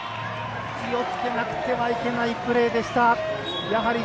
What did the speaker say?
気をつけなくてはいけないプレーでした。